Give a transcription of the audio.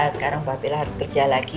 sekarang mbak bella harus kerja lagi